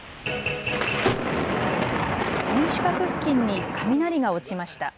天守閣付近に雷が落ちました。